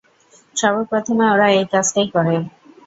সর্বপ্রথমে ওরা এই কাজটাই করে।